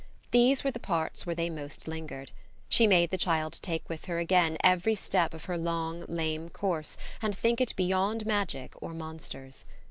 These were the parts where they most lingered; she made the child take with her again every step of her long, lame course and think it beyond magic or monsters.